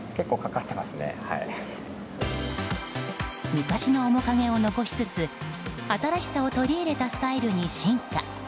昔の面影を残しつつ新しさを取り入れたスタイルに進化。